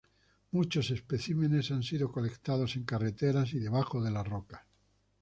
Muchos especímenes han sido colectados en carreteras y debajo de las rocas.